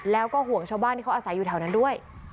แล้วก็ห่วงชาวบ้านที่เขาอาศัยอยู่แถวนั้นด้วย